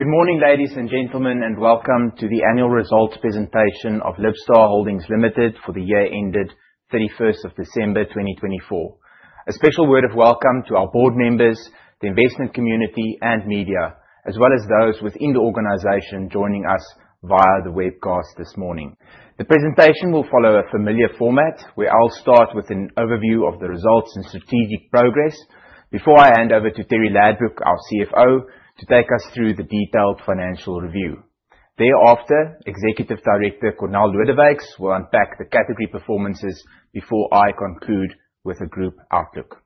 Good morning, ladies and gentlemen, and welcome to the annual results presentation of Libstar Holdings Limited for the year ended 31st of December 2024. A special word of welcome to our board members, the investment community and media, as well as those within the organization joining us via the webcast this morning. The presentation will follow a familiar format, where I'll start with an overview of the results and strategic progress before I hand over to Terri Ladbrooke, our CFO, to take us through the detailed financial review. Thereafter, Executive Director Cornél Lodewyks will unpack the category performances before I conclude with a group outlook.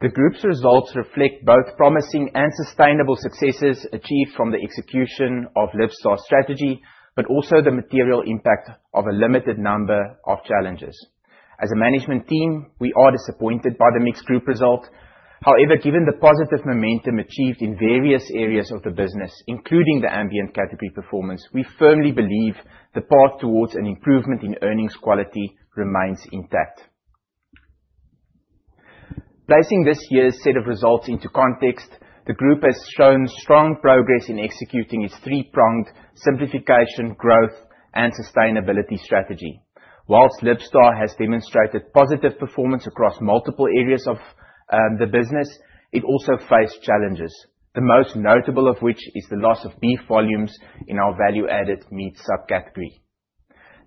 The group's results reflect both promising and sustainable successes achieved from the execution of Libstar's strategy, but also the material impact of a limited number of challenges. As a management team, we are disappointed by the mixed group result. Given the positive momentum achieved in various areas of the business, including the ambient category performance, we firmly believe the path towards an improvement in earnings quality remains intact. Placing this year's set of results into context, the group has shown strong progress in executing its three-pronged simplification, growth, and sustainability strategy. Whilst Libstar has demonstrated positive performance across multiple areas of the business, it also faced challenges, the most notable of which is the loss of beef volumes in our value-added meat subcategory.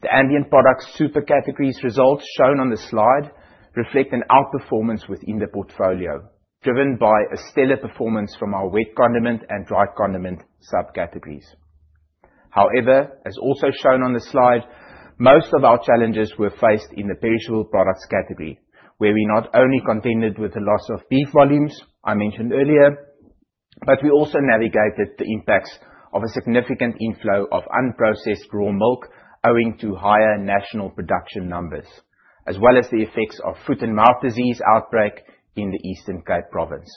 The ambient products super categories results shown on the slide reflect an outperformance within the portfolio, driven by a stellar performance from our wet condiment and dry condiment subcategories. As also shown on the slide, most of our challenges were faced in the perishable products category, where we not only contended with the loss of beef volumes I mentioned earlier, but we also navigated the impacts of a significant inflow of unprocessed raw milk owing to higher national production numbers, as well as the effects of foot and mouth disease outbreak in the Eastern Cape Province.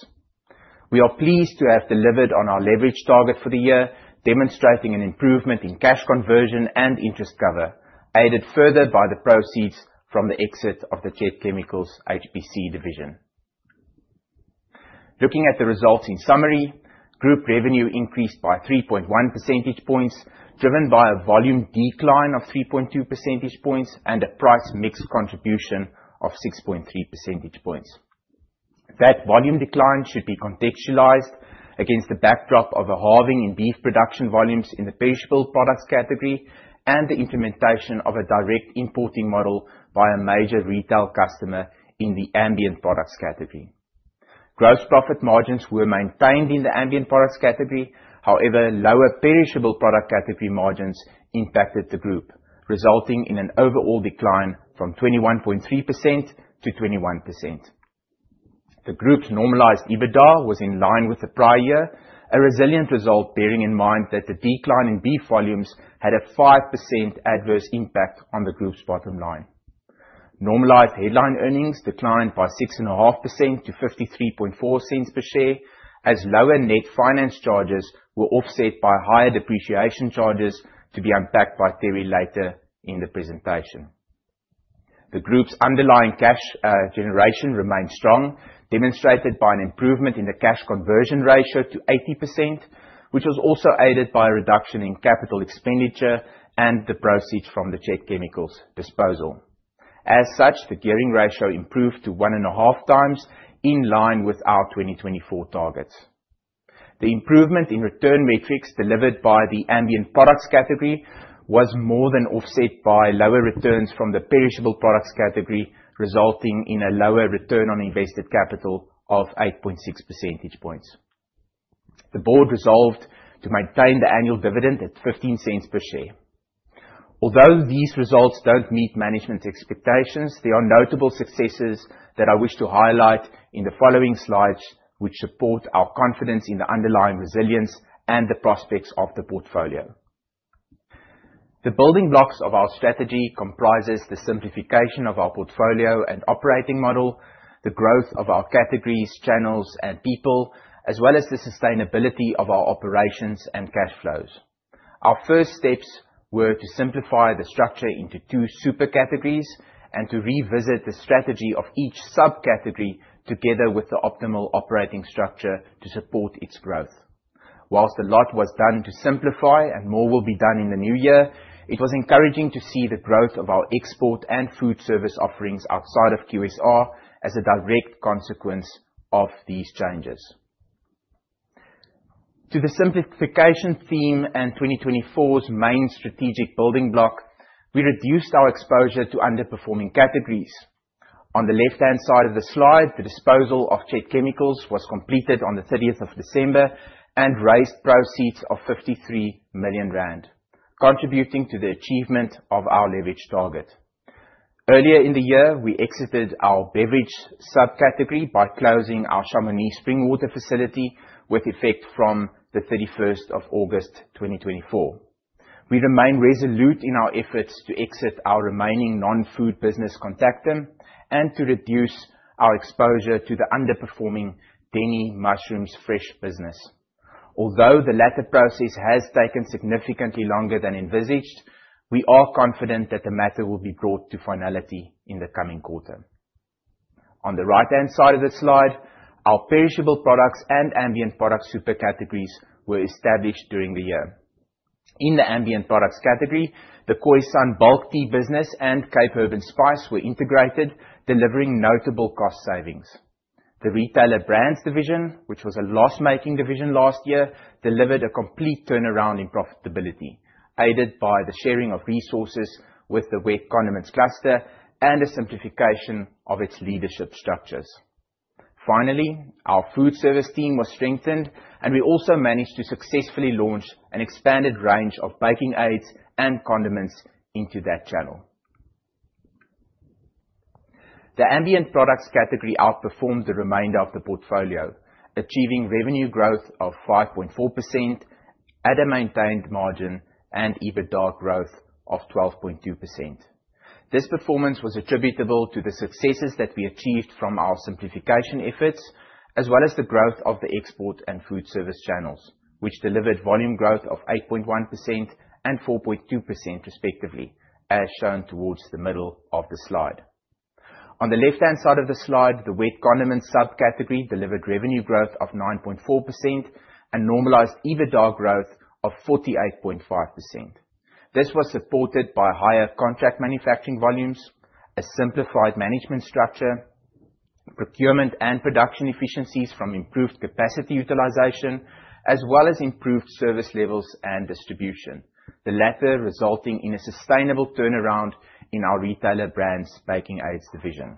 We are pleased to have delivered on our leverage target for the year, demonstrating an improvement in cash conversion and interest cover, aided further by the proceeds from the exit of the Chet Chemicals HPC division. Looking at the results in summary, group revenue increased by 3.1 percentage points, driven by a volume decline of 3.2 percentage points and a price mix contribution of 6.3 percentage points. That volume decline should be contextualized against the backdrop of a halving in beef production volumes in the perishable products category and the implementation of a direct importing model by a major retail customer in the ambient products category. Gross profit margins were maintained in the ambient products category. Lower perishable product category margins impacted the group, resulting in an overall decline from 21.3% to 21%. The group's normalized EBITDA was in line with the prior year, a resilient result bearing in mind that the decline in beef volumes had a 5% adverse impact on the group's bottom line. Normalized headline earnings declined by 6.5% to 0.534 per share, as lower net finance charges were offset by higher depreciation charges to be unpacked by Terri later in the presentation. The group's underlying cash generation remained strong, demonstrated by an improvement in the cash conversion ratio to 80%, which was also aided by a reduction in capital expenditure and the proceeds from the Chet Chemicals disposal. As such, the gearing ratio improved to 1.5 times, in line with our 2024 targets. The improvement in return metrics delivered by the ambient products category was more than offset by lower returns from the perishable products category, resulting in a lower return on invested capital of 8.6 percentage points. The board resolved to maintain the annual dividend at 0.15 per share. Although these results don't meet management's expectations, there are notable successes that I wish to highlight in the following slides which support our confidence in the underlying resilience and the prospects of the portfolio. The building blocks of our strategy comprises the simplification of our portfolio and operating model, the growth of our categories, channels, and people, as well as the sustainability of our operations and cash flows. Our first steps were to simplify the structure into two super categories and to revisit the strategy of each subcategory together with the optimal operating structure to support its growth. Whilst a lot was done to simplify and more will be done in the new year, it was encouraging to see the growth of our export and food service offerings outside of QSR as a direct consequence of these changes. To the simplification theme and 2024's main strategic building block, we reduced our exposure to underperforming categories. On the left-hand side of the slide, the disposal of Chet Chemicals was completed on the 30th of December and raised proceeds of 53 million rand, contributing to the achievement of our leverage target. Earlier in the year, we exited our beverage subcategory by closing our Chamonix Spring Water facility with effect from the 31st of August 2024. We remain resolute in our efforts to exit our remaining non-food business, Contactim, and to reduce our exposure to the underperforming Denny Mushrooms fresh business. Although the latter process has taken significantly longer than envisaged, we are confident that the matter will be brought to finality in the coming quarter. On the right-hand side of the slide, our perishable products and ambient products super categories were established during the year. In the ambient products category, the Khoisan bulk tea business and Cape Herb and Spice were integrated, delivering notable cost savings. The retailer brands division, which was a loss-making division last year, delivered a complete turnaround in profitability, aided by the sharing of resources with the wet condiments cluster and a simplification of its leadership structures. Our food service team was strengthened, and we also managed to successfully launch an expanded range of baking aids and condiments into that channel. The ambient products category outperformed the remainder of the portfolio, achieving revenue growth of 5.4% at a maintained margin, and EBITDA growth of 12.2%. This performance was attributable to the successes that we achieved from our simplification efforts, as well as the growth of the export and food service channels, which delivered volume growth of 8.1% and 4.2% respectively, as shown towards the middle of the slide. On the left-hand side of the slide, the wet condiments subcategory delivered revenue growth of 9.4% and normalized EBITDA growth of 48.5%. This was supported by higher contract manufacturing volumes, a simplified management structure, procurement and production efficiencies from improved capacity utilization, as well as improved service levels and distribution, the latter resulting in a sustainable turn around in our retailer brands baking aids division.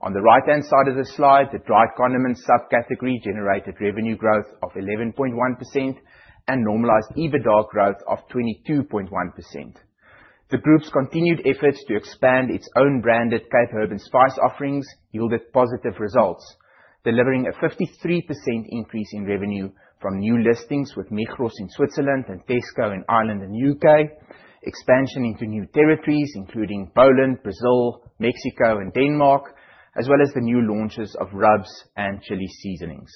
On the right-hand side of the slide, the dried condiments subcategory generated revenue growth of 11.1% and normalized EBITDA growth of 22.1%. The group's continued efforts to expand its own branded Cape Herb & Spice offerings yielded positive results, delivering a 53% increase in revenue from new listings with Migros in Switzerland and Tesco in Ireland and U.K., expansion into new territories including Poland, Brazil, Mexico, and Denmark, as well as the new launches of rubs and chili seasonings.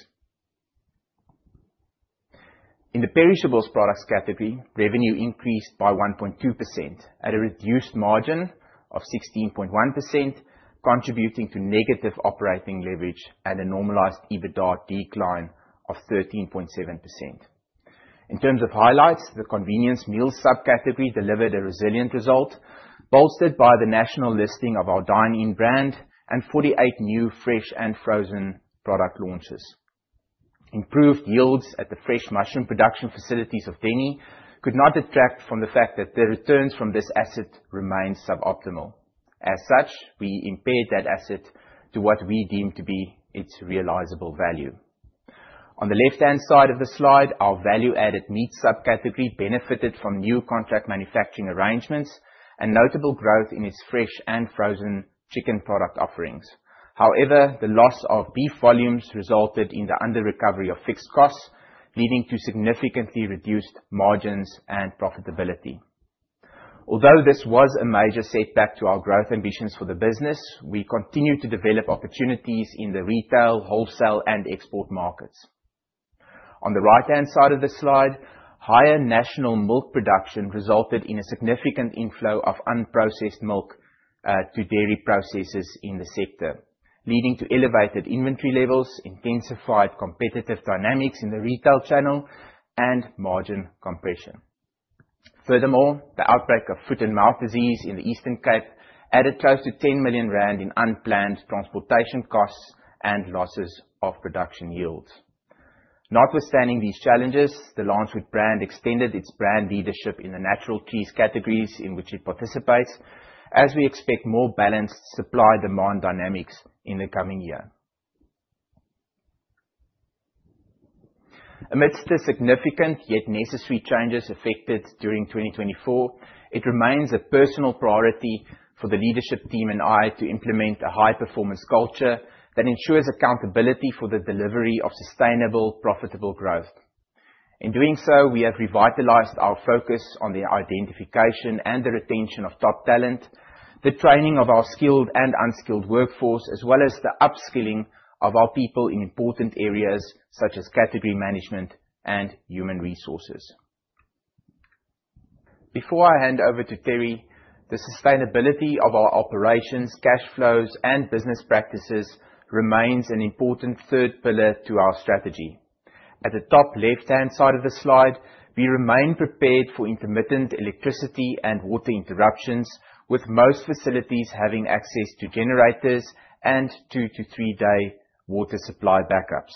In the perishables products category, revenue increased by 1.2% at a reduced margin of 16.1%, contributing to negative operating leverage and a normalized EBITDA decline of 13.7%. In terms of highlights, the convenience meal subcategory delivered a resilient result, bolstered by the national listing of our DINE-IN brand and 48 new fresh and frozen product launches. Improved yields at the fresh mushroom production facilities of Denny could not detract from the fact that the returns from this asset remain suboptimal. As such, we impaired that asset to what we deem to be its realizable value. On the left-hand side of the slide, our value-added meat subcategory benefited from new contract manufacturing arrangements and notable growth in its fresh and frozen chicken product offerings. However, the loss of beef volumes resulted in the under-recovery of fixed costs, leading to significantly reduced margins and profitability. Although this was a major setback to our growth ambitions for the business, we continue to develop opportunities in the retail, wholesale, and export markets. On the right-hand side of the slide, higher national milk production resulted in a significant inflow of unprocessed milk to dairy processors in the sector, leading to elevated inventory levels, intensified competitive dynamics in the retail channel, and margin compression. Furthermore, the outbreak of foot and mouth disease in the Eastern Cape added close to 10 million rand in unplanned transportation costs and losses of production yields. Notwithstanding these challenges, the Lancewood brand extended its brand leadership in the natural cheese categories in which it participates, as we expect more balanced supply-demand dynamics in the coming year. Amidst the significant yet necessary changes effected during 2024, it remains a personal priority for the leadership team and I to implement a high-performance culture that ensures accountability for the delivery of sustainable, profitable growth. In doing so, we have revitalized our focus on the identification and the retention of top talent, the training of our skilled and unskilled workforce, as well as the upskilling of our people in important areas such as category management and human resources. Before I hand over to Terri, the sustainability of our operations, cash flows, and business practices remains an important third pillar to our strategy. At the top left-hand side of the slide, we remain prepared for intermittent electricity and water interruptions, with most facilities having access to generators and two-to-three-day water supply backups.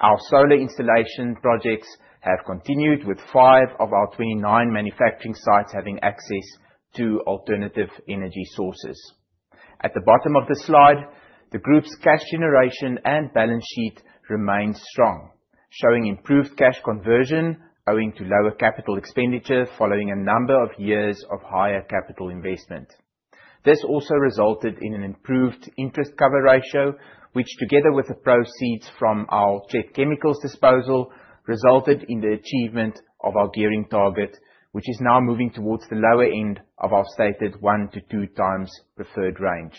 Our solar installation projects have continued, with five of our 29 manufacturing sites having access to alternative energy sources. At the bottom of the slide, the group's cash generation and balance sheet remain strong, showing improved cash conversion owing to lower capital expenditure following a number of years of higher capital investment. This also resulted in an improved interest cover ratio, which together with the proceeds from our Chet Chemicals disposal, resulted in the achievement of our gearing target, which is now moving towards the lower end of our stated one to two times preferred range.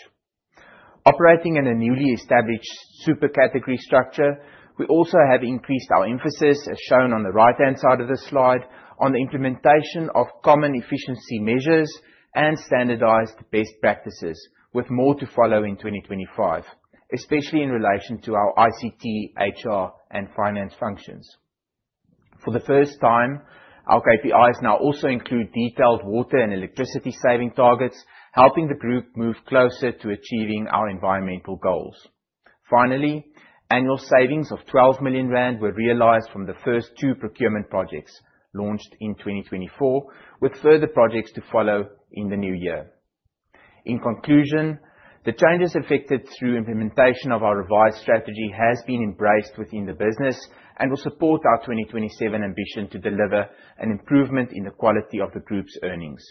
Operating in a newly established super category structure, we also have increased our emphasis, as shown on the right-hand side of this slide, on the implementation of common efficiency measures and standardized best practices, with more to follow in 2025, especially in relation to our ICT, HR, and finance functions. For the first time, our KPIs now also include detailed water and electricity saving targets, helping the group move closer to achieving our environmental goals. Finally, annual savings of 12 million rand were realized from the first two procurement projects launched in 2024, with further projects to follow in the new year. In conclusion, the changes effected through implementation of our revised strategy has been embraced within the business and will support our 2027 ambition to deliver an improvement in the quality of the group's earnings.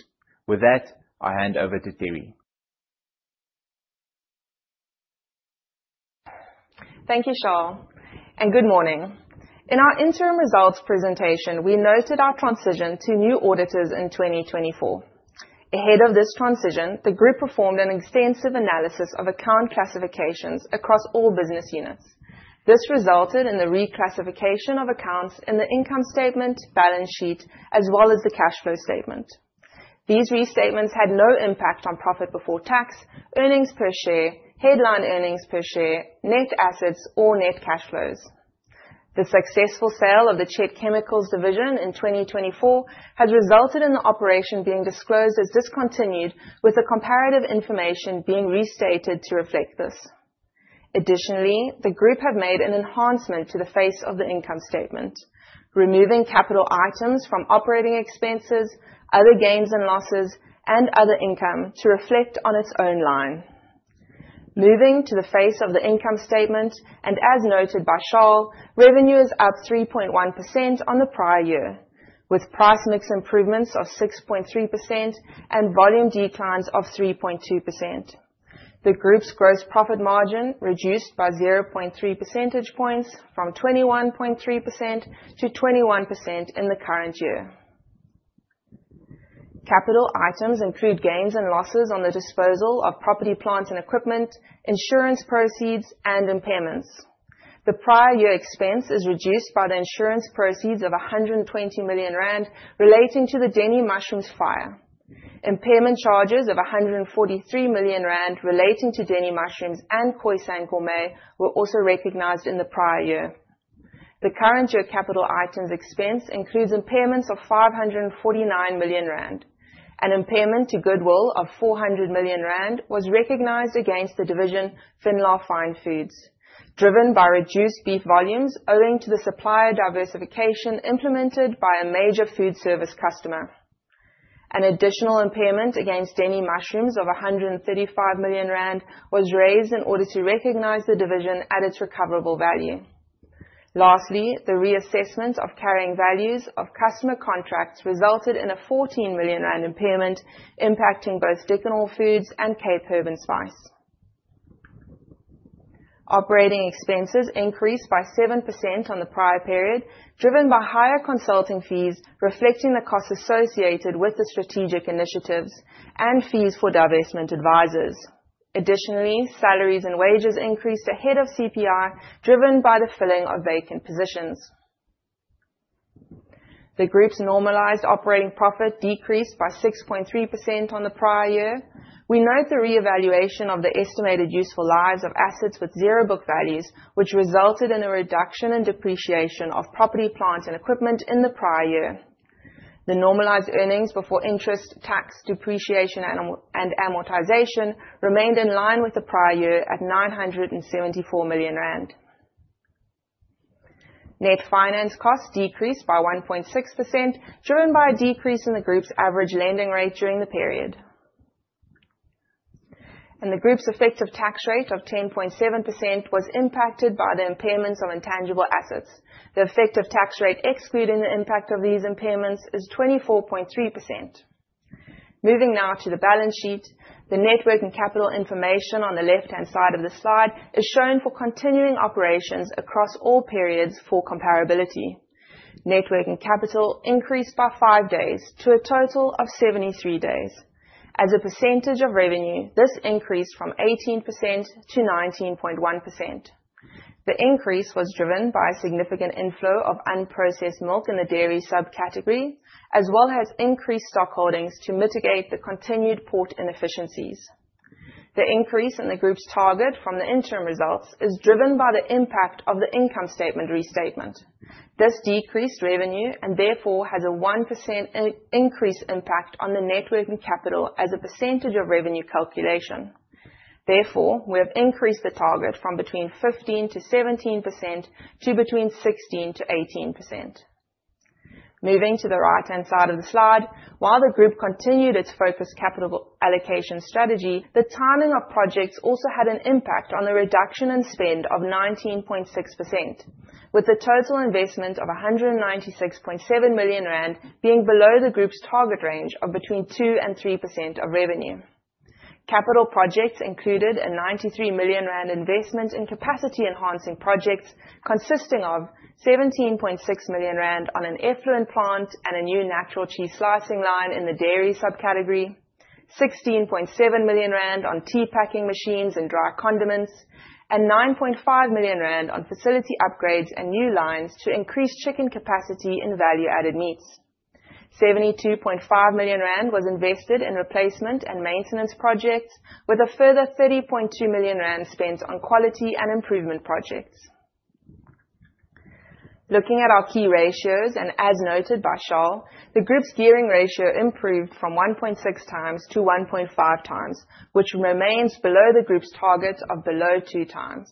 With that, I hand over to Terri. Thank you, Charl, good morning. In our interim results presentation, we noted our transition to new auditors in 2024. Ahead of this transition, the group performed an extensive analysis of account classifications across all business units. This resulted in the reclassification of accounts in the income statement, balance sheet, as well as the cash flow statement. These restatements had no impact on profit before tax, earnings per share, headline earnings per share, net assets or net cash flows. The successful sale of the Chet Chemicals division in 2024 has resulted in the operation being disclosed as discontinued, with the comparative information being restated to reflect this. Additionally, the group have made an enhancement to the face of the income statement, removing capital items from operating expenses, other gains and losses, and other income to reflect on its own line. Moving to the face of the income statement, as noted by Charl, revenue is up 3.1% on the prior year, with price mix improvements of 6.3% and volume declines of 3.2%. The group's gross profit margin reduced by 0.3 percentage points from 21.3% to 21% in the current year. Capital items include gains and losses on the disposal of property, plant, and equipment, insurance proceeds, and impairments. The prior year expense is reduced by the insurance proceeds of 120 million rand relating to the Denny Mushrooms fire. Impairment charges of 143 million rand relating to Denny Mushrooms and Khoisan Gourmet were also recognized in the prior year. The current year capital items expense includes impairments of 549 million rand. An impairment to goodwill of 400 million rand was recognized against the division Finlar Fine Foods, driven by reduced beef volumes owing to the supplier diversification implemented by a major food service customer. An additional impairment against Denny Mushrooms of 135 million rand was raised in order to recognize the division at its recoverable value. Lastly, the reassessment of carrying values of customer contracts resulted in a 14 million rand impairment impacting both Dickon Hall Foods and Cape Herb and Spice. Operating expenses increased by 7% on the prior period, driven by higher consulting fees reflecting the costs associated with the strategic initiatives and fees for divestment advisors. Additionally, salaries and wages increased ahead of CPI, driven by the filling of vacant positions. The group's normalized operating profit decreased by 6.3% on the prior year. We note the reevaluation of the estimated useful lives of assets with zero book values, which resulted in a reduction in depreciation of property, plant, and equipment in the prior year. The normalized earnings before interest, tax, depreciation, and amortization remained in line with the prior year at 974 million rand. Net finance costs decreased by 1.6%, driven by a decrease in the group's average lending rate during the period. The group's effective tax rate of 10.7% was impacted by the impairments on intangible assets. The effective tax rate excluding the impact of these impairments is 24.3%. Moving now to the balance sheet. The net working capital information on the left hand side of the slide is shown for continuing operations across all periods for comparability. Net working capital increased by five days to a total of 73 days. As a percentage of revenue, this increased from 18%-19.1%. The increase was driven by a significant inflow of unprocessed milk in the dairy subcategory, as well as increased stock holdings to mitigate the continued port inefficiencies. The increase in the group's target from the interim results is driven by the impact of the income statement restatement. This decreased revenue, and therefore has a 1% increase impact on the net working capital as a percentage of revenue calculation. Therefore, we have increased the target from between 15%-17% to between 16%-18%. Moving to the right-hand side of the slide. While the group continued its focused capital allocation strategy, the timing of projects also had an impact on the reduction in spend of 19.6%, with the total investment of 196.7 million rand being below the group's target range of between 2% and 3% of revenue. Capital projects included a 93 million rand investment in capacity enhancing projects, consisting of 17.6 million rand on an effluent plant and a new natural cheese slicing line in the dairy subcategory, 16.7 million rand on tea packing machines and dry condiments, and 9.5 million rand on facility upgrades and new lines to increase chicken capacity and value-added needs. 72.5 million rand was invested in replacement and maintenance projects, with a further 30.2 million rand spent on quality and improvement projects. Looking at our key ratios, and as noted by Charl, the group's gearing ratio improved from 1.6 times to 1.5 times, which remains below the group's target of below 2 times.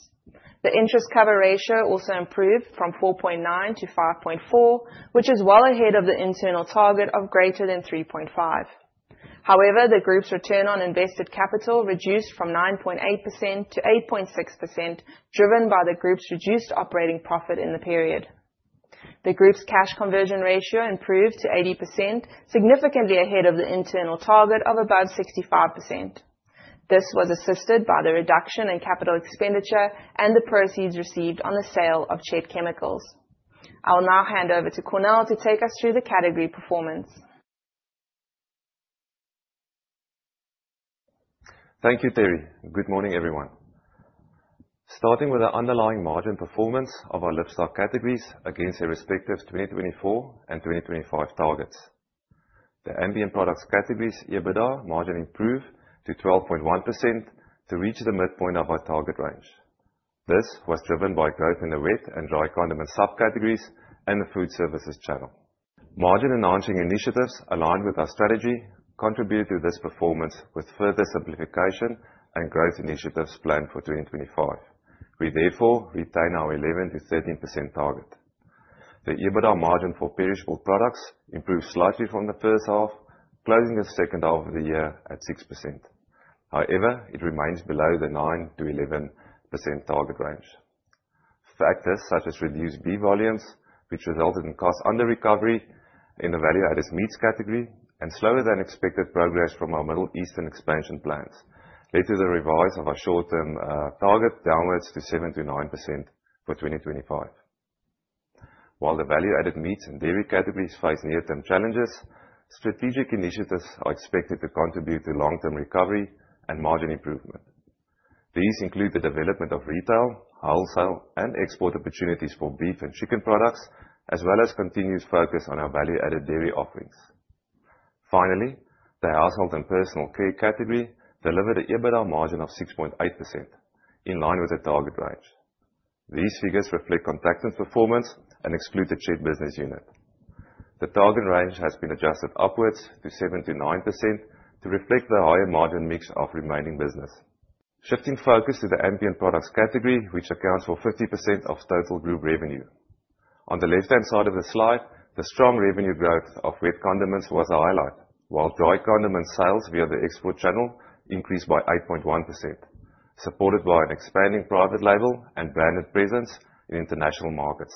The interest cover ratio also improved from 4.9 to 5.4, which is well ahead of the internal target of greater than 3.5. The group's return on invested capital reduced from 9.8% to 8.6%, driven by the group's reduced operating profit in the period. The group's cash conversion ratio improved to 80%, significantly ahead of the internal target of above 65%. This was assisted by the reduction in capital expenditure and the proceeds received on the sale of Chet Chemicals. I will now hand over to Cornél to take us through the category performance. Thank you, Terri. Good morning, everyone. Starting with the underlying margin performance of our Libstar categories against their respective 2024 and 2025 targets. The ambient products categories EBITDA margin improved to 12.1% to reach the midpoint of our target range. This was driven by growth in the wet and dry condiment subcategories and the food services channel. Margin-enhancing initiatives aligned with our strategy contributed to this performance with further simplification and growth initiatives planned for 2025. We, therefore, retain our 11%-13% target. The EBITDA margin for perishable products improved slightly from the first half, closing the second half of the year at 6%. It remains below the 9%-11% target range. Factors such as reduced beef volumes, which resulted in cost under recovery in the value-added meats category and slower than expected progress from our Middle Eastern expansion plans, led to the revise of our short-term target downwards to 7%-9% for 2025. While the value-added meats and dairy categories face near-term challenges, strategic initiatives are expected to contribute to long-term recovery and margin improvement. These include the development of retail, wholesale, and export opportunities for beef and chicken products, as well as continuous focus on our value-added dairy offerings. Finally, the Household and Personal Care category delivered an EBITDA margin of 6.8%, in line with the target range. These figures reflect Contactim performance and exclude the Chet business unit. The target range has been adjusted upwards to 7%-9% to reflect the higher margin mix of remaining business. Shifting focus to the ambient products category, which accounts for 50% of total group revenue. On the left-hand side of the slide, the strong revenue growth of wet condiments was a highlight, while dry condiment sales via the export channel increased by 8.1%, supported by an expanding private label and branded presence in international markets.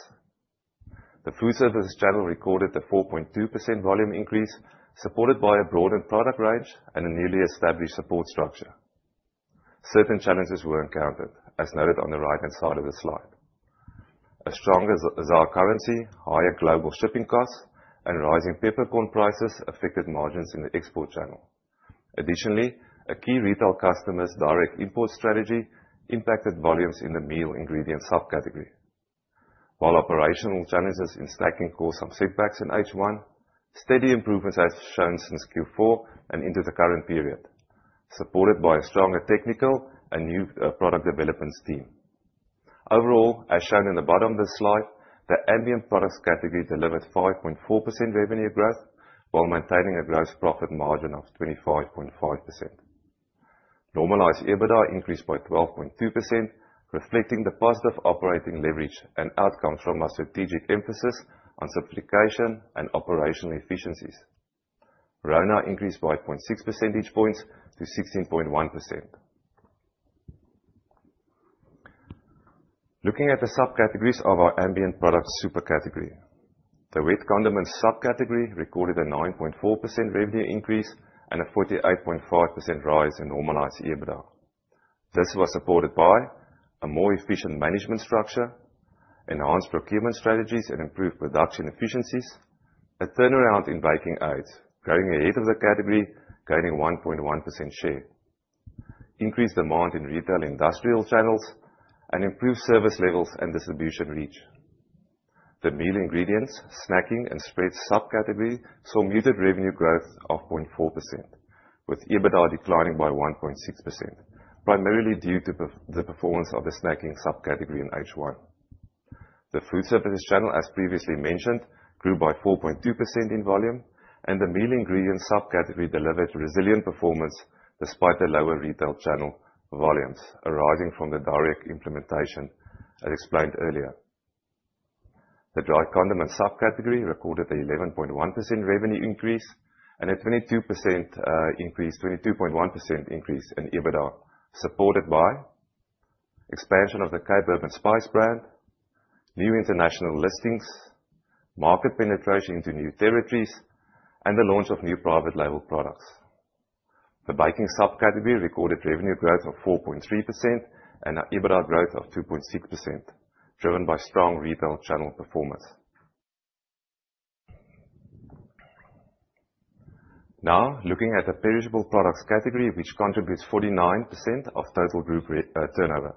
The food services channel recorded a 4.2% volume increase, supported by a broadened product range and a newly established support structure. Certain challenges were encountered, as noted on the right-hand side of the slide. A stronger ZAR currency, higher global shipping costs, and rising peppercorn prices affected margins in the export channel. Additionally, a key retail customer's direct import strategy impacted volumes in the meal ingredient subcategory. While operational challenges in snacking caused some setbacks in H1, steady improvements as shown since Q4 and into the current period, supported by a stronger technical and new product development team. Overall, as shown in the bottom of this slide, the ambient products category delivered 5.4% revenue growth while maintaining a gross profit margin of 25.5%. Normalized EBITDA increased by 12.2%, reflecting the positive operating leverage and outcomes from our strategic emphasis on simplification and operational efficiencies. RONA increased by 0.6 percentage points to 16.1%. Looking at the subcategories of our ambient products super category. The wet condiments subcategory recorded a 9.4% revenue increase and a 48.5% rise in normalized EBITDA. This was supported by a more efficient management structure, enhanced procurement strategies and improved production efficiencies, a turnaround in baking aids, growing ahead of the category, gaining 1.1% share, increased demand in retail industrial channels, and improved service levels and distribution reach. The meal ingredients, snacking, and spreads subcategory saw muted revenue growth of 0.4%, with EBITDA declining by 1.6%, primarily due to the performance of the snacking subcategory in H1. The food services channel, as previously mentioned, grew by 4.2% in volume, and the meal ingredients subcategory delivered resilient performance despite the lower retail channel volumes arising from the direct implementation as explained earlier. The dry condiment subcategory recorded an 11.1% revenue increase and a 22.1% increase in EBITDA, supported by expansion of the Cape Herb and Spice brand, new international listings, market penetration into new territories, and the launch of new private label products. The baking subcategory recorded revenue growth of 4.3% and an EBITDA growth of 2.6%, driven by strong retail channel performance. Now, looking at the perishable products category, which contributes 49% of total group turnover.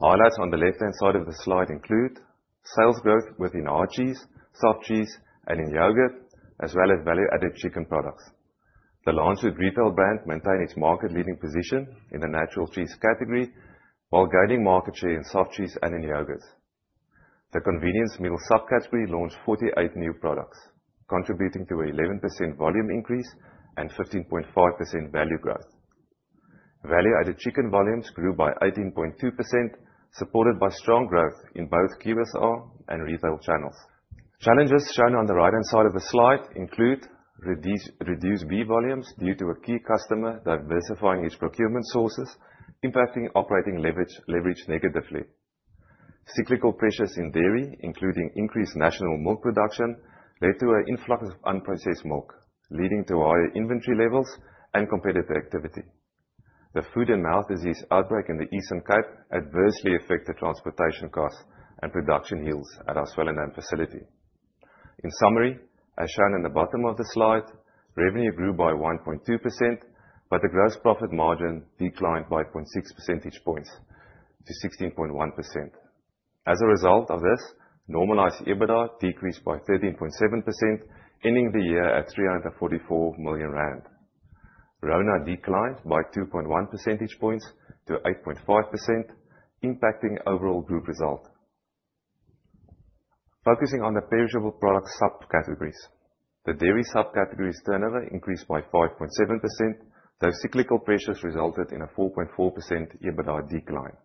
Highlights on the left-hand side of the slide include sales growth within hard cheese, soft cheese, and in yogurt, as well as value-added chicken products. The Lancewood retail brand maintained its market-leading position in the natural cheese category, while gaining market share in soft cheese and in yogurts. The convenience meal subcategory launched 48 new products, contributing to an 11% volume increase and 15.5% value growth. Value-added chicken volumes grew by 18.2%, supported by strong growth in both QSR and retail channels. Challenges shown on the right-hand side of the slide include reduced beef volumes due to a key customer diversifying its procurement sources, impacting operating leverage negatively. Cyclical pressures in dairy, including increased national milk production, led to an influx of unprocessed milk, leading to higher inventory levels and competitor activity. The foot and mouth disease outbreak in the Eastern Cape adversely affected transportation costs and production yields at our Swellendam facility. In summary, as shown in the bottom of the slide, revenue grew by 1.2%, but the gross profit margin declined by 0.6 percentage points to 16.1%. As a result of this, normalized EBITDA decreased by 13.7%, ending the year at 344 million rand. RONA declined by 2.1 percentage points to 8.5%, impacting overall group result. Focusing on the perishable product subcategories. The dairy subcategory's turnover increased by 5.7%, though cyclical pressures resulted in a 4.4% EBITDA decline.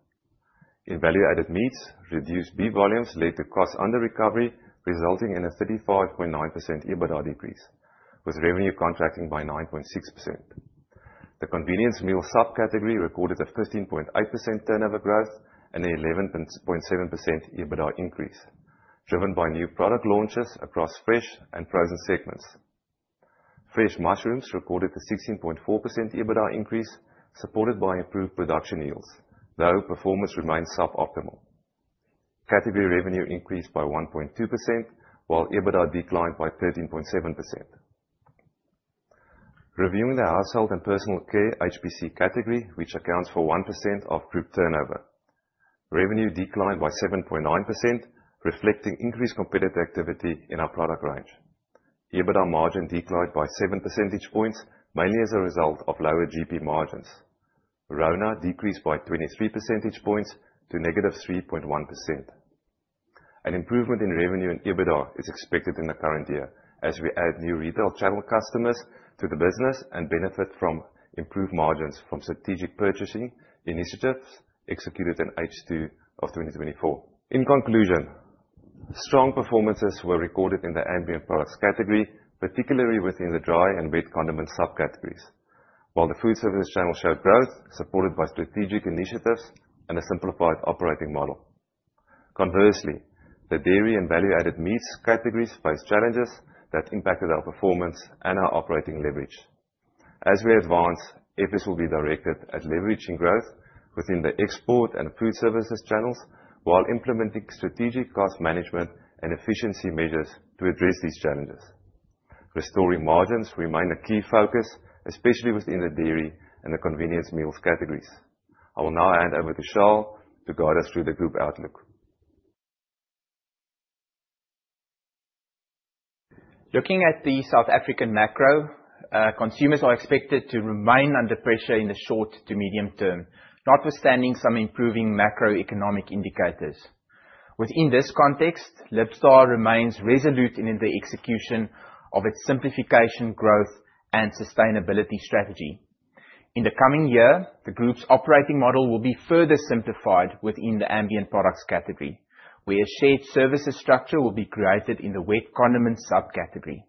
In value-added meats, reduced beef volumes led to cost under recovery, resulting in a 35.9% EBITDA decrease, with revenue contracting by 9.6%. The convenience meal subcategory recorded a 15.8% turnover growth and an 11.7% EBITDA increase, driven by new product launches across fresh and frozen segments. Fresh mushrooms recorded a 16.4% EBITDA increase, supported by improved production yields, though performance remains suboptimal. Category revenue increased by 1.2%, while EBITDA declined by 13.7%. Reviewing the Household and Personal Care, HPC, category, which accounts for 1% of group turnover. Revenue declined by 7.9%, reflecting increased competitive activity in our product range. EBITDA margin declined by seven percentage points, mainly as a result of lower GP margins. RONA decreased by 23 percentage points to negative 3.1%. An improvement in revenue and EBITDA is expected in the current year as we add new retail channel customers to the business and benefit from improved margins from strategic purchasing initiatives executed in H2 of 2024. In conclusion, strong performances were recorded in the ambient products category, particularly within the dry and wet condiment subcategories. While the food services channel showed growth supported by strategic initiatives and a simplified operating model. Conversely, the dairy and value-added meats categories faced challenges that impacted our performance and our operating leverage. As we advance, efforts will be directed at leveraging growth within the export and food services channels, while implementing strategic cost management and efficiency measures to address these challenges. Restoring margins remain a key focus, especially within the dairy and the convenience meals categories. I will now hand over to Charl to guide us through the group outlook. Looking at the South African macro, consumers are expected to remain under pressure in the short to medium term, notwithstanding some improving macroeconomic indicators. Within this context, Libstar remains resolute in the execution of its simplification, growth, and sustainability strategy. In the coming year, the Group's operating model will be further simplified within the ambient products category, where a shared services structure will be created in the wet condiment subcategory.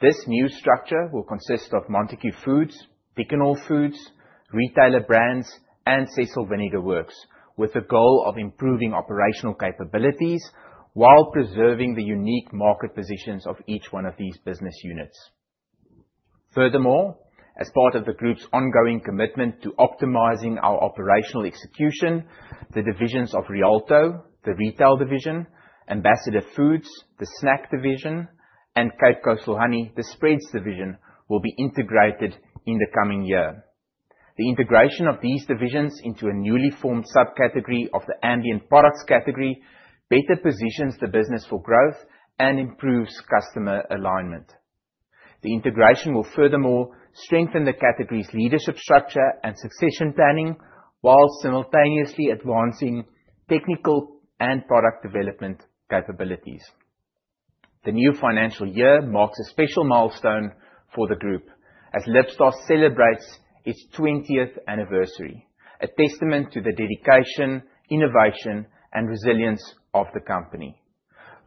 This new structure will consist of Montagu Foods, Beacon, retailer brands, and Cecil Vinegar Works, with the goal of improving operational capabilities while preserving the unique market positions of each one of these business units. Furthermore, as part of the Group's ongoing commitment to optimizing our operational execution, the divisions of Rialto, the retail division, Ambassador Foods, the snack division, and Cape Coastal Honey, the spreads division, will be integrated in the coming year. The integration of these divisions into a newly formed subcategory of the ambient products category better positions the business for growth and improves customer alignment. The integration will furthermore strengthen the category's leadership structure and succession planning, while simultaneously advancing technical and product development capabilities. The new financial year marks a special milestone for the Group, as Libstar celebrates its 20th anniversary, a testament to the dedication, innovation, and resilience of the company.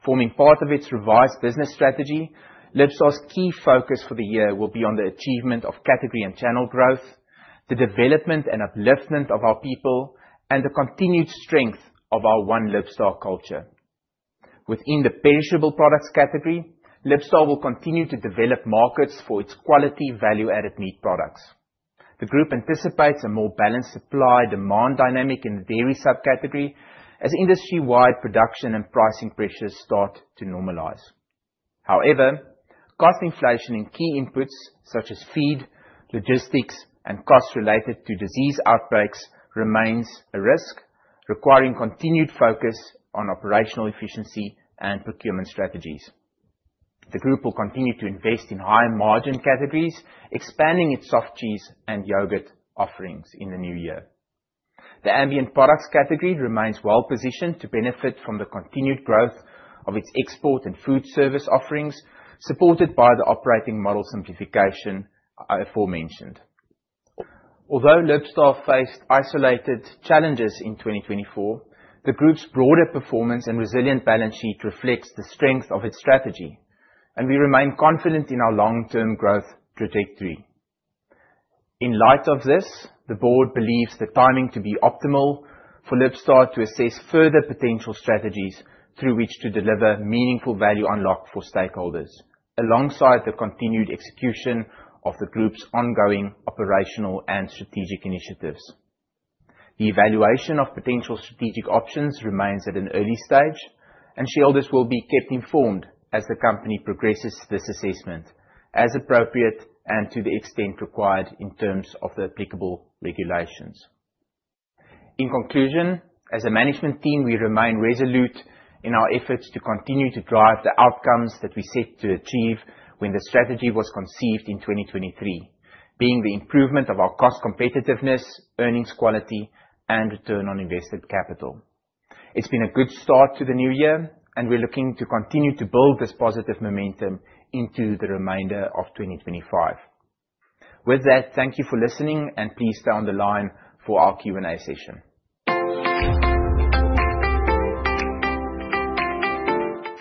Forming part of its revised business strategy, Libstar's key focus for the year will be on the achievement of category and channel growth, the development and upliftment of our people, and the continued strength of our One Libstar culture. Within the perishable products category, Libstar will continue to develop markets for its quality, value-added meat products. The group anticipates a more balanced supply-demand dynamic in the dairy subcategory as industry-wide production and pricing pressures start to normalize. Cost inflation in key inputs such as feed, logistics, and costs related to disease outbreaks remains a risk, requiring continued focus on operational efficiency and procurement strategies. The group will continue to invest in high margin categories, expanding its soft cheese and yogurt offerings in the new year. The ambient products category remains well-positioned to benefit from the continued growth of its export and food service offerings, supported by the operating model simplification aforementioned. Although Libstar faced isolated challenges in 2024, the group's broader performance and resilient balance sheet reflects the strength of its strategy, and we remain confident in our long-term growth trajectory. In light of this, the board believes the timing to be optimal for Libstar to assess further potential strategies through which to deliver meaningful value unlock for stakeholders, alongside the continued execution of the group's ongoing operational and strategic initiatives. The evaluation of potential strategic options remains at an early stage. Shareholders will be kept informed as the company progresses this assessment as appropriate and to the extent required in terms of the applicable regulations. In conclusion, as a management team, we remain resolute in our efforts to continue to drive the outcomes that we set to achieve when the strategy was conceived in 2023, being the improvement of our cost competitiveness, earnings quality, and return on invested capital. It's been a good start to the new year, and we're looking to continue to build this positive momentum into the remainder of 2025. With that, thank you for listening, and please stay on the line for our Q&A session.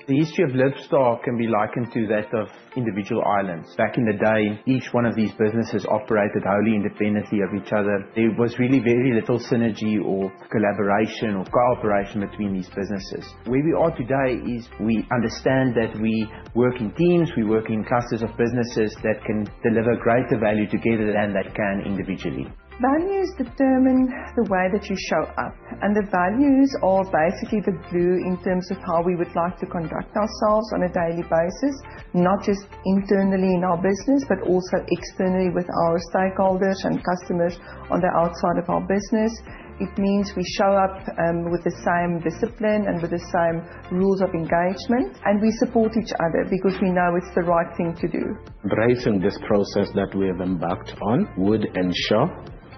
The history of Libstar can be likened to that of individual islands. Back in the day, each one of these businesses operated wholly independently of each other. There was really very little synergy or collaboration or cooperation between these businesses. Where we are today is we understand that we work in teams, we work in clusters of businesses that can deliver greater value together than they can individually. Values determine the way that you show up. The values are basically the glue in terms of how we would like to conduct ourselves on a daily basis, not just internally in our business, but also externally with our stakeholders and customers on the outside of our business. It means we show up with the same discipline and with the same rules of engagement. We support each other because we know it's the right thing to do. Raising this process that we have embarked on would ensure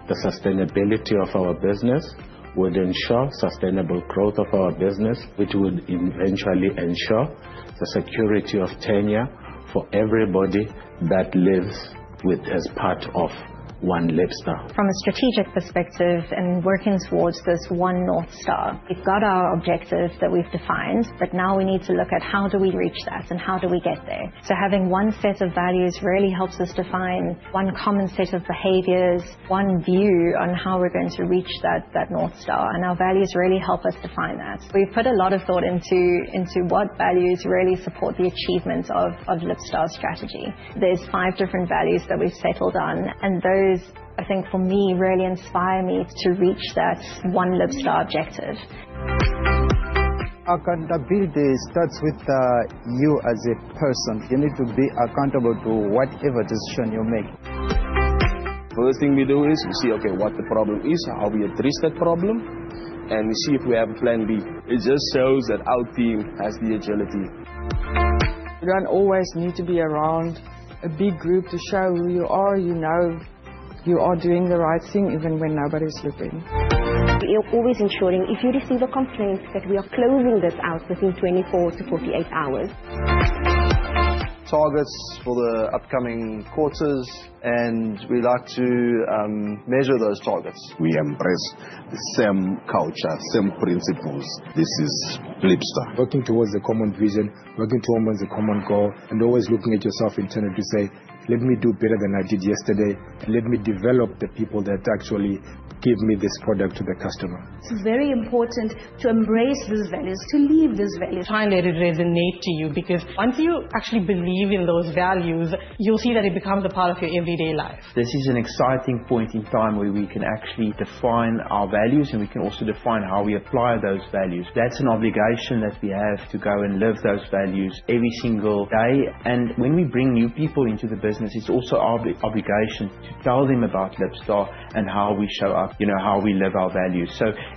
the sustainability of our business, would ensure sustainable growth of our business, which would eventually ensure the security of tenure for everybody that lives with as part of One Libstar. From a strategic perspective and working towards this one North Star, we've got our objectives that we've defined. Now we need to look at how do we reach that and how do we get there. Having one set of values really helps us define one common set of behaviors, one view on how we're going to reach that North Star, and our values really help us define that. We put a lot of thought into what values really support the achievement of Libstar's strategy. There's five different values that we've settled on, and those, I think, for me, really inspire me to reach that One Libstar objective. Accountability starts with you as a person. You need to be accountable to whatever decision you make. First thing we do is we see, okay, what the problem is, how we address that problem, and we see if we have a plan B. It just shows that our team has the agility. You don't always need to be around a big group to show who you are. You know you are doing the right thing even when nobody's looking. We are always ensuring if you receive a complaint that we are closing this out within 24 to 48 hours. Targets for the upcoming quarters, we like to measure those targets. We embrace the same culture, same principles. This is Libstar. Working towards a common vision, working towards a common goal, and always looking at yourself internally to say, "Let me do better than I did yesterday. Let me develop the people that actually give me this product to the customer. It's very important to embrace those values, to live those values. Try and let it resonate to you, because until you actually believe in those values, you'll see that it becomes a part of your everyday life. This is an exciting point in time where we can actually define our values, and we can also define how we apply those values. That's an obligation that we have to go and live those values every single day. When we bring new people into the business, it's also our obligation to tell them about Libstar and how we show up, how we live our values.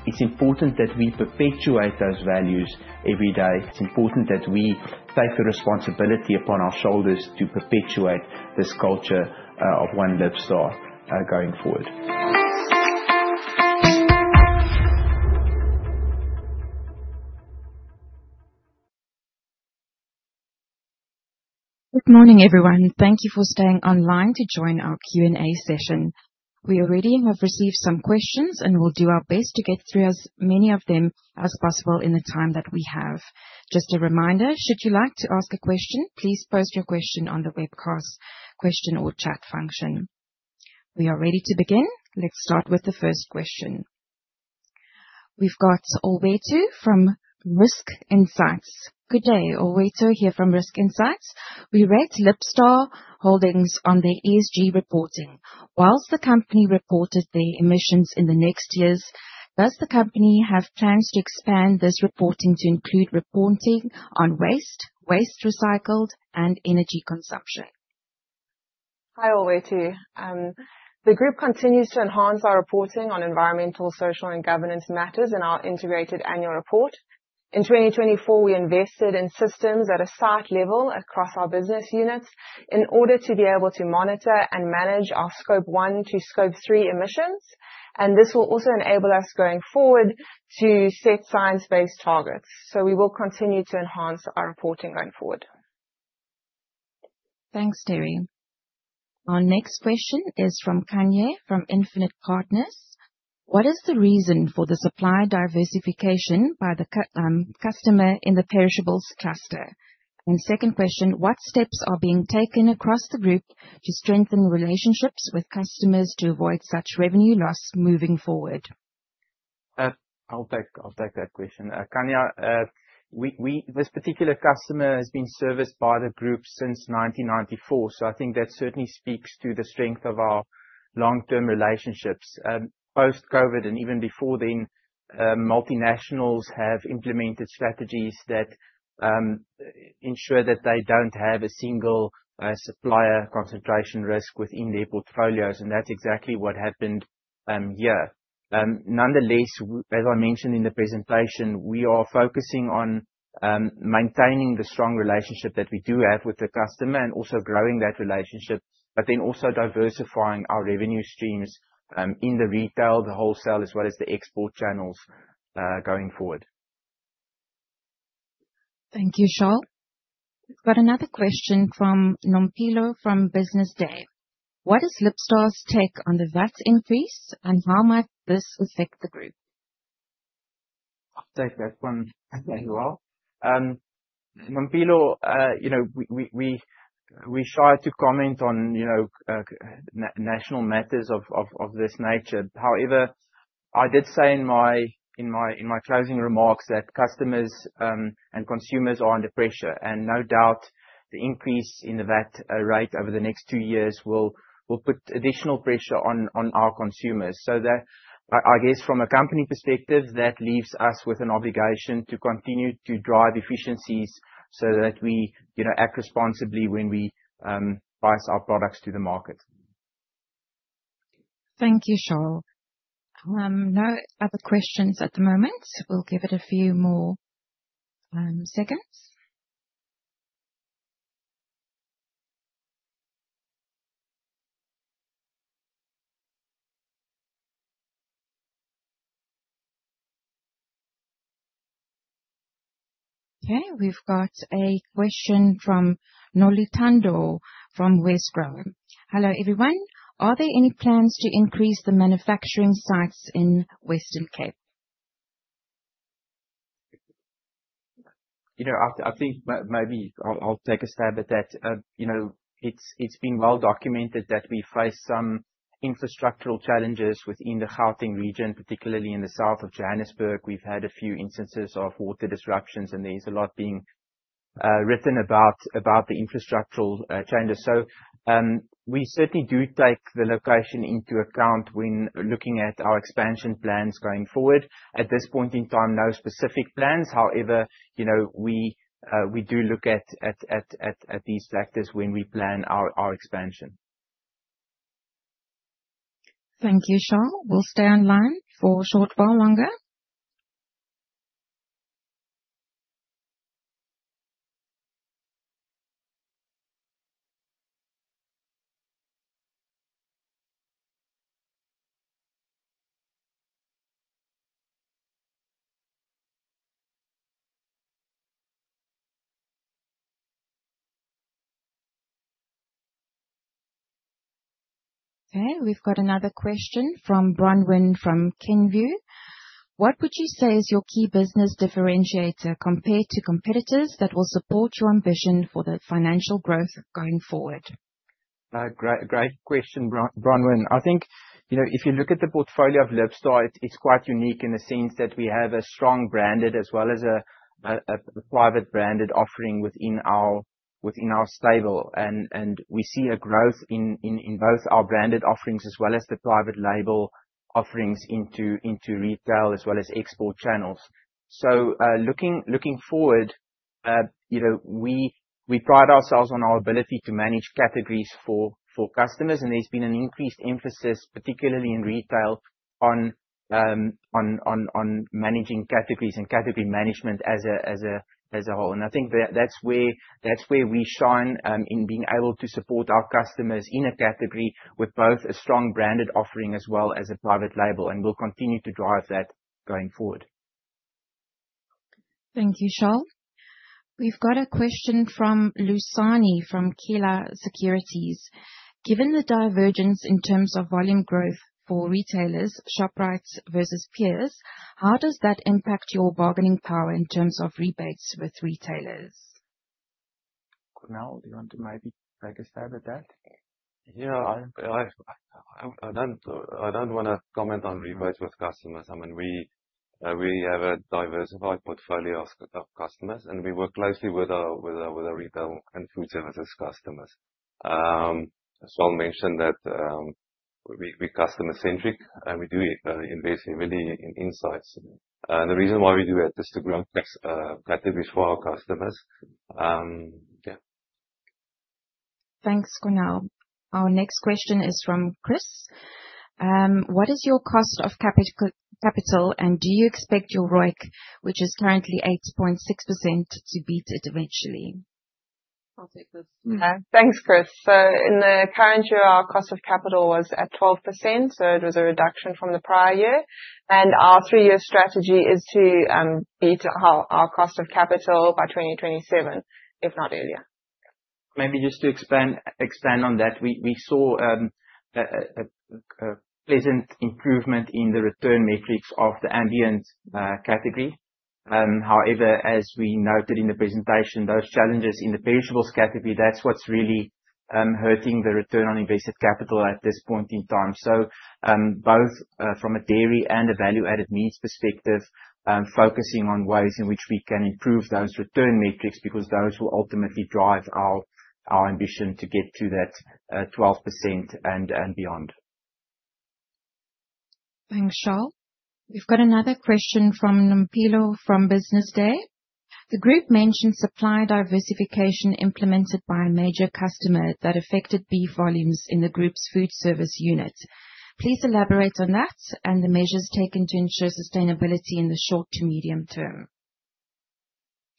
It's important that we perpetuate those values every day. It's important that we take the responsibility upon our shoulders to perpetuate this culture of One Libstar going forward. Good morning, everyone. Thank you for staying online to join our Q&A session. We already have received some questions, and we will do our best to get through as many of them as possible in the time that we have. Just a reminder, should you like to ask a question, please post your question on the webcast question or chat function. We are ready to begin. Let's start with the first question. We have got Olwethu from Risk Insights. Good day. Olwethu here from Risk Insights. We rate Libstar Holdings on their ESG reporting. Whilst the company reported their emissions in the next years, does the company have plans to expand this reporting to include reporting on waste recycled, and energy consumption? Hi, Olwethu. The group continues to enhance our reporting on environmental, social, and governance matters in our integrated annual report. In 2024, we invested in systems at a site level across our business units in order to be able to monitor and manage our Scope one to Scope three emissions. This will also enable us, going forward, to set science-based targets. We will continue to enhance our reporting going forward. Thanks, Terri. Our next question is from Khanya, from Infinite Partners. What is the reason for the supply diversification by the customer in the perishables cluster? Second question, what steps are being taken across the group to strengthen relationships with customers to avoid such revenue loss moving forward? I'll take that question. Khanya, this particular customer has been serviced by the group since 1994, so I think that certainly speaks to the strength of our long-term relationships. Post-COVID, and even before then, multinationals have implemented strategies that ensure that they don't have a single supplier concentration risk within their portfolios, and that's exactly what happened here. Nonetheless, as I mentioned in the presentation, we are focusing on maintaining the strong relationship that we do have with the customer and also growing that relationship, also diversifying our revenue streams in the retail, the wholesale, as well as the export channels going forward. Thank you, Charl. We've got another question from. What is Libstar's take on the VAT increase, and how might this affect the group? I'll take that one as well. Nompilo, we shy to comment on national matters of this nature. However, I did say in my closing remarks that customers and consumers are under pressure, and no doubt the increase in the VAT rate over the next two years will put additional pressure on our consumers. I guess from a company perspective, that leaves us with an obligation to continue to drive efficiencies so that we act responsibly when we price our products to the market. Thank you, Charl. No other questions at the moment. We'll give it a few more seconds. Okay, we've got a question from Noluthando, from Wesgro. Hello, everyone. Are there any plans to increase the manufacturing sites in Western Cape? I think maybe I'll take a stab at that. It's been well documented that we face some infrastructural challenges within the Gauteng region, particularly in the south of Johannesburg. We've had a few instances of water disruptions. There is a lot being written about the infrastructural challenges. We certainly do take the location into account when looking at our expansion plans going forward. At this point in time, no specific plans. However, we do look at these factors when we plan our expansion. Thank you, Charl. We'll stay online for a short while longer. We've got another question from Bronwyn from Kenvue. What would you say is your key business differentiator compared to competitors that will support your ambition for the financial growth going forward? Great question, Bronwyn. I think if you look at the portfolio of Libstar, it's quite unique in the sense that we have a strong branded as well as a private branded offering within our stable. We see a growth in both our branded offerings as well as the private label offerings into retail as well as export channels. Looking forward, we pride ourselves on our ability to manage categories for customers, and there's been an increased emphasis, particularly in retail, on managing categories and category management as a whole. I think that's where we shine, in being able to support our customers in a category with both a strong branded offering as well as a private label, and we'll continue to drive that going forward. Thank you, Charl. We've got a question from Lusani, from Kela Securities. Given the divergence in terms of volume growth for retailers, Shoprite versus peers, how does that impact your bargaining power in terms of rebates with retailers? Cornél, do you want to maybe take a stab at that? I don't want to comment on rebates with customers. We have a diversified portfolio of customers, and we work closely with our retail and food services customers. As I'll mention that we're customer centric, and we do invest heavily in insights. The reason why we do it is to grow category for our customers. Thanks, Cornél. Our next question is from Chris. What is your cost of capital, and do you expect your ROIC, which is currently 8.6%, to beat it eventually? I'll take this. Thanks, Chris. In the current year, our cost of capital was at 12%, so it was a reduction from the prior year. Our three-year strategy is to beat our cost of capital by 2027, if not earlier. Maybe just to expand on that. We saw a pleasant improvement in the return metrics of the ambient category. However, as we noted in the presentation, those challenges in the perishables category, that's what's really hurting the return on invested capital at this point in time. Both from a dairy and a value-added meats perspective, focusing on ways in which we can improve those return metrics, because those will ultimately drive our ambition to get to that 12% and beyond. Thanks, Charl. We've got another question from Nompilo, from Business Day. The group mentioned supply diversification implemented by a major customer that affected beef volumes in the group's food service unit. Please elaborate on that and the measures taken to ensure sustainability in the short to medium term.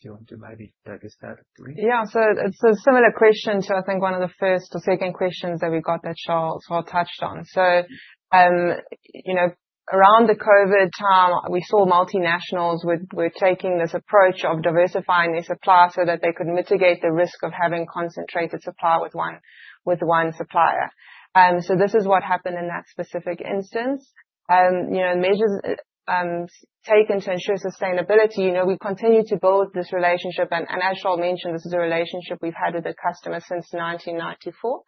Do you want to maybe take a stab at this? Yeah. It's a similar question to, I think, one of the first or second questions that we got that Charl touched on. Around the COVID time, we saw multinationals were taking this approach of diversifying their supply so that they could mitigate the risk of having concentrated supply with one supplier. This is what happened in that specific instance. Measures taken to ensure sustainability. We continue to build this relationship, and as Charl mentioned, this is a relationship we've had with the customer since 1994.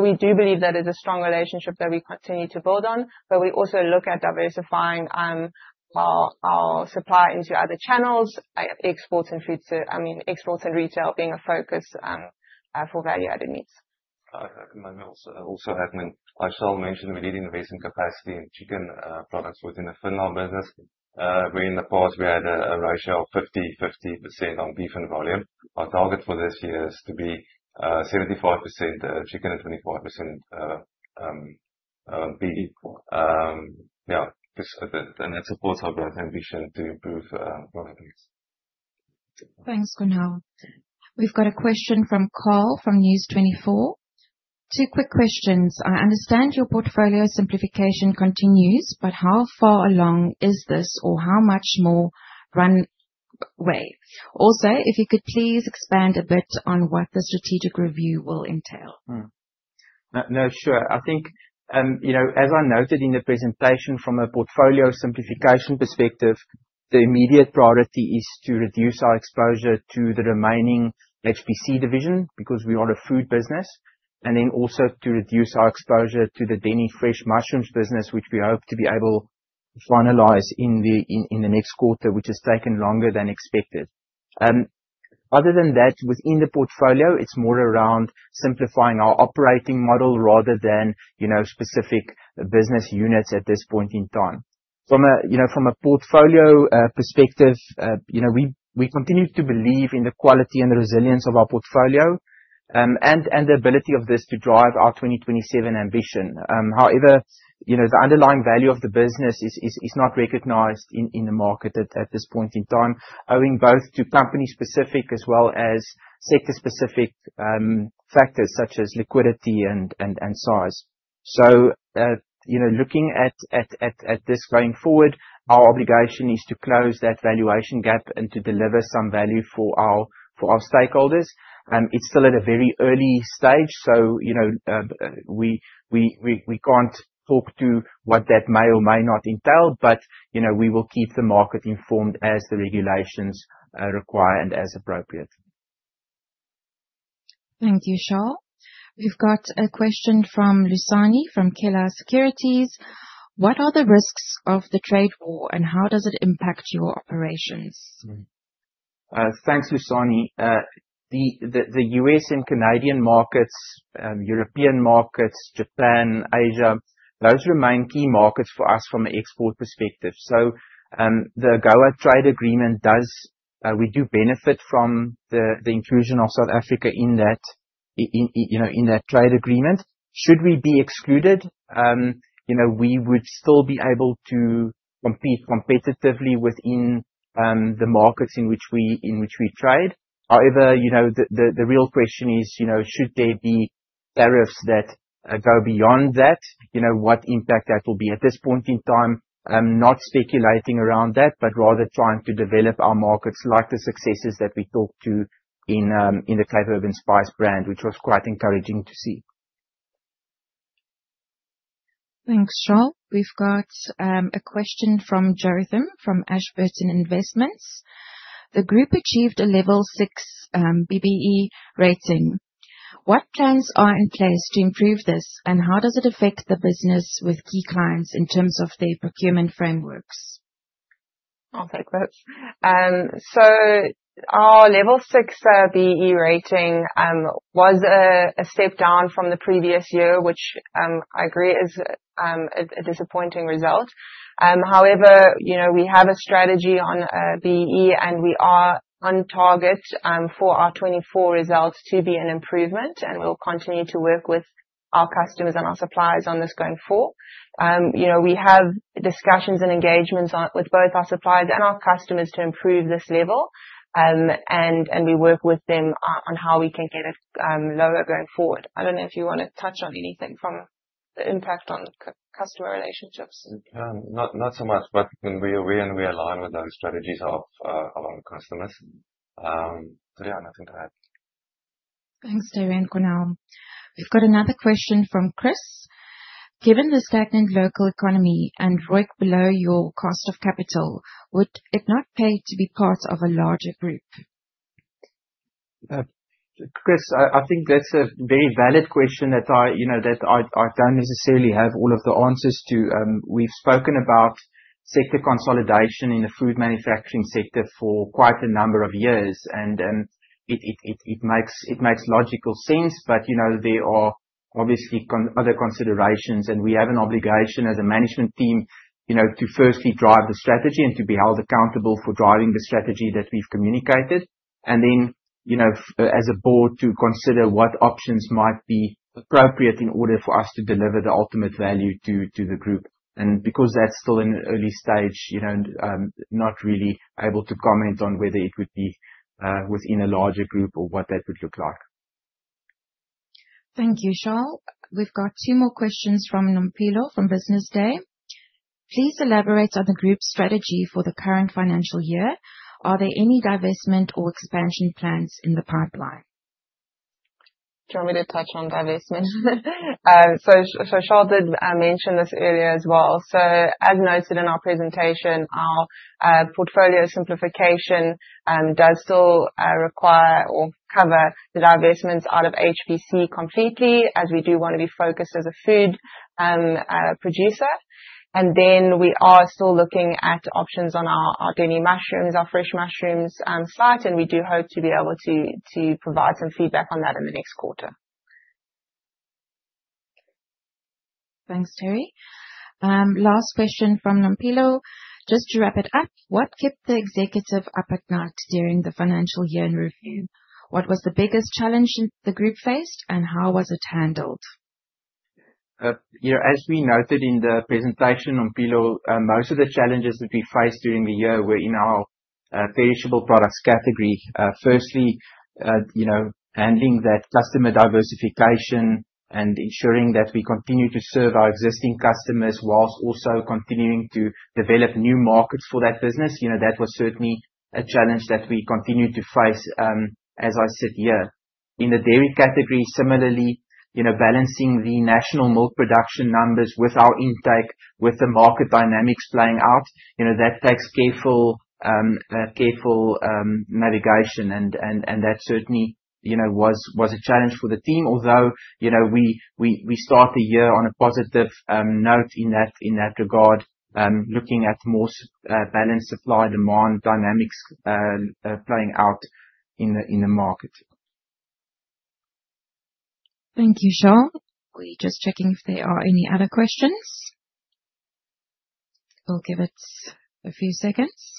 We do believe that is a strong relationship that we continue to build on, but we also look at diversifying our supply into other channels, exports and retail being a focus for value-added meats. Also admin, as Charl mentioned, we're leading investment capacity in chicken products within the Finlar business. Where in the past we had a ratio of 50/50% on beef and volume. Our target for this year is to be 75% chicken and 25% beef. Cool. Yeah. That supports our ambition to improve profit. Thanks, Cornél. We've got a question from Karl, from News24. Two quick questions. I understand your portfolio simplification continues, but how far along is this or how much more runway? If you could please expand a bit on what the strategic review will entail. No. Sure. I think, as I noted in the presentation, from a portfolio simplification perspective, the immediate priority is to reduce our exposure to the remaining HPC division because we are a food business. Also to reduce our exposure to the Denny fresh mushrooms business, which we hope to be able to finalize in the next quarter, which has taken longer than expected. Other than that, within the portfolio, it's more around simplifying our operating model rather than specific business units at this point in time. From a portfolio perspective, we continue to believe in the quality and the resilience of our portfolio, and the ability of this to drive our 2027 ambition. However, the underlying value of the business is not recognized in the market at this point in time, owing both to company specific as well as sector specific factors such as liquidity and size. Looking at this going forward, our obligation is to close that valuation gap and to deliver some value for our stakeholders. It's still at a very early stage, so we can't talk to what that may or may not entail. We will keep the market informed as the regulations require and as appropriate. Thank you, Charl. We've got a question from Lusani, from Kela Securities. What are the risks of the trade war, and how does it impact your operations? Thanks, Lusani. The U.S. and Canadian markets, European markets, Japan, Asia, those remain key markets for us from an export perspective. The AGOA trade agreement. We do benefit from the inclusion of South Africa in that trade agreement. Should we be excluded, we would still be able to compete competitively within the markets in which we trade. However, the real question is, should there be tariffs that go beyond that, what impact that will be at this point in time? I'm not speculating around that, but rather trying to develop our markets, like the successes that we talked to in the Cape Herb & Spice brand, which was quite encouraging to see. Thanks, Charl. We've got a question from Jotham from Ashburton Investments. The group achieved a level 6 B-BBEE rating. What plans are in place to improve this, and how does it affect the business with key clients in terms of their procurement frameworks? I'll take that. Our level 6 B-BBEE rating was a step down from the previous year, which, I agree is a disappointing result. However, we have a strategy on B-BBEE, and we are on target for our 2024 results to be an improvement, and we'll continue to work with our customers and our suppliers on this going forward. We have discussions and engagements with both our suppliers and our customers to improve this level. We work with them on how we can get it lower going forward. I don't know if you want to touch on anything from the impact on customer relationships. No, not so much. We align with those strategies of our own customers. Yeah, nothing to add. Thanks, Terri and Cornél. We've got another question from Chris. Given the stagnant local economy and ROIC below your cost of capital, would it not pay to be part of a larger group? Chris, I think that's a very valid question that I don't necessarily have all of the answers to. We've spoken about sector consolidation in the food manufacturing sector for quite a number of years. It makes logical sense. There are obviously other considerations, and we have an obligation as a management team to firstly drive the strategy and to be held accountable for driving the strategy that we've communicated. As a board, to consider what options might be appropriate in order for us to deliver the ultimate value to the group. Because that's still in the early stage, I'm not really able to comment on whether it would be within a larger group or what that would look like. Thank you, Charl. We've got two more questions from Nompilo from Business Day. Please elaborate on the group's strategy for the current financial year. Are there any divestment or expansion plans in the pipeline? Do you want me to touch on divestment? Charl did mention this earlier as well. As noted in our presentation, our portfolio simplification does still require or cover the divestments out of HPC completely as we do want to be focused as a food producer. We are still looking at options on our Denny Mushrooms, our fresh mushrooms site, and we do hope to be able to provide some feedback on that in the next quarter. Thanks, Terri. Last question from Nompilo. Just to wrap it up, what kept the executive up at night during the financial year-end review? What was the biggest challenge the group faced, and how was it handled? As we noted in the presentation, Nompilo, most of the challenges that we faced during the year were in our perishable products category. Firstly, handling that customer diversification and ensuring that we continue to serve our existing customers while also continuing to develop new markets for that business. That was certainly a challenge that we continue to face as I sit here. In the dairy category, similarly, balancing the national milk production numbers with our intake, with the market dynamics playing out, that takes careful navigation and that certainly was a challenge for the team. We start the year on a positive note in that regard, looking at more balanced supply/demand dynamics playing out in the market. Thank you, Charl. We're just checking if there are any other questions. We'll give it a few seconds.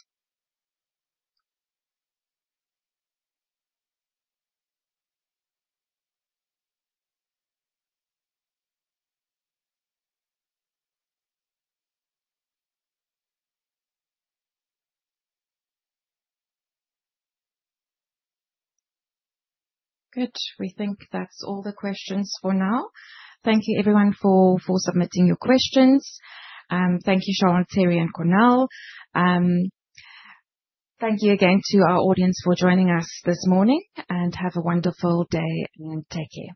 Good. We think that's all the questions for now. Thank you everyone for submitting your questions. Thank you Charl, Terri, and Cornél. Thank you again to our audience for joining us this morning. Have a wonderful day and take care.